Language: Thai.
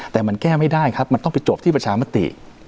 แต่มันแก้ไม่ได้ครับมันต้องไปจบที่ประชามติ